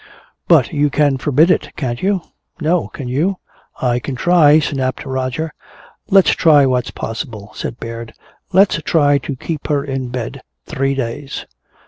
"But you can forbid it, can't you?" "No. Can you?" "I can try," snapped Roger. "Let's try what's possible," said Baird. "Let's try to keep her in bed three days."